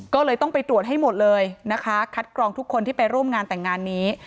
ก็เลยต้องไปตรวจให้หมดเลยนะคะคัดกรองทุกคนที่ไปร่วมงานแต่งงานนี้